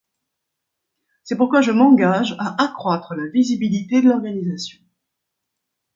C’est pourquoi je m’engage à accroître la visibilité de l’organisation.